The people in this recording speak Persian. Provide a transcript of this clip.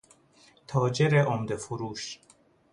تاجر عمده فروش